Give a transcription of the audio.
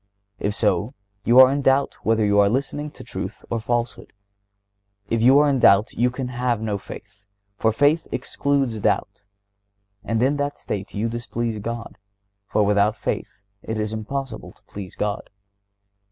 If so, you are in doubt whether you are listening to truth or falsehood. If you are in doubt you can have no faith, for faith excludes doubt, and in that state you displease God, for "without faith it is impossible to please God."